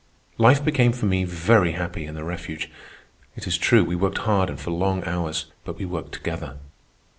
Life became for me very happy in the refuge. It is true, we worked hard and for long hours; but we worked together.